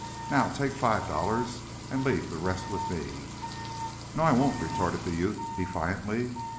Now, take five dollars, an' leave the rest with me." "No, I won't," retorted that youth, defiantly.